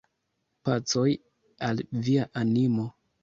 Pacon al via animo!